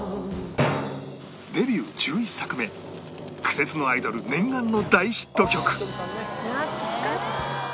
デビュー１１作目苦節のアイドル念願の大ヒット曲